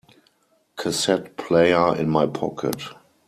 Cassette player in my pocket.